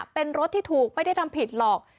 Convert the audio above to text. เป็นรถที่ถูกไม่ได้ทำผิดหรอก